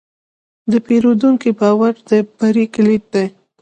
د پیرودونکي باور د بری کلید دی.